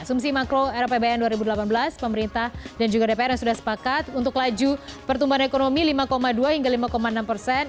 asumsi makro era pbn dua ribu delapan belas pemerintah dan juga dpr yang sudah sepakat untuk laju pertumbuhan ekonomi lima dua hingga lima enam persen